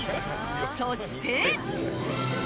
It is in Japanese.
そして。